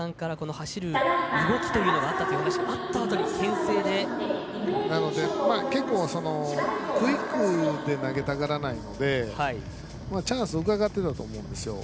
宮本さんから走る動きというのがあったという話があったあとの結構、クイックで投げたがらないのでチャンスをうかがっていたと思うんですよ。